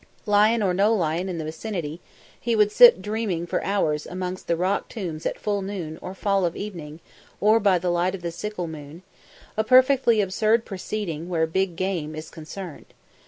Lion or no lion in the vicinity, he would sit dreaming for hours amongst the rock tombs at full noon or fall of evening or by the light of the sickle moon; a perfectly absurd proceeding where big game is concerned.